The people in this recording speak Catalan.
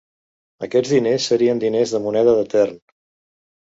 Aquests diners serien diners de moneda de tern.